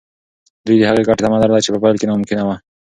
دوی د هغې ګټې تمه لرله چې په پیل کې ناممکنه وه.